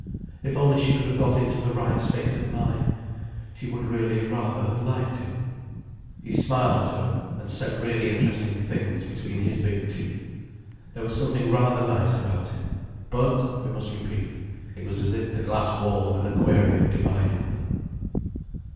If only she could have got into the right state of mind, she would really rather have liked him. He smiled at her, and said really interesting things between his big teeth. There was something rather nice about him. But, we must repeat, it was as if the glass wall of an aquarium divided them.